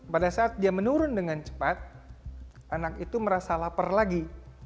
pada saat dia menurun dengan cepat anak itu merasa lapar lagi